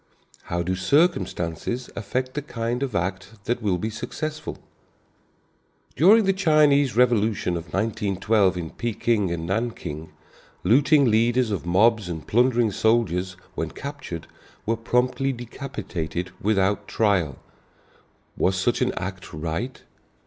How do circumstances affect the kind of act that will be successful? During the Chinese revolution of 1912 in Peking and Nanking, looting leaders of mobs and plundering soldiers when captured were promptly decapitated without trial. Was such an act right?